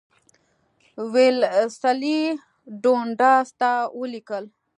ویلسلي ډونډاس ته ولیکل.